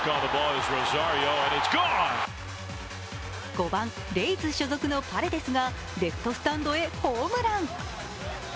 ５番、レイズ所属のパレデスがレフトスタンドへホームラン。